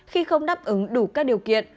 khi không đáp ứng đủ các điều kiện